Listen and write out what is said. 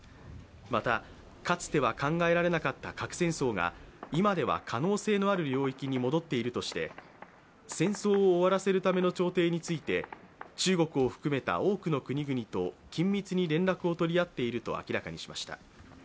またかつては考えられなかった核戦争が今では可能性のある領域に戻っているとして戦争を終わらせるための調停について中国を含めた多くの国々と緊密に連絡を取り合っていると明らかにしました。